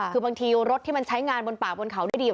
คือบางทีรถที่มันใช้งานบนป่าบนเขาได้ดี